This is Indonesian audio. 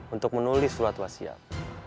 untuk menulis suatu wasiat